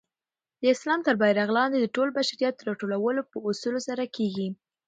د اسلام تر بیرغ لاندي د ټول بشریت راټولول په اصولو سره کيږي.